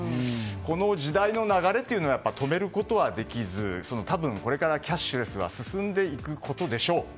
この時代の流れというのは止めることはできず多分、これからキャッシュレスが進んでいくことでしょう。